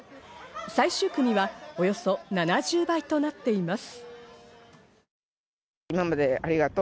最終組はおよそ７０倍となっています。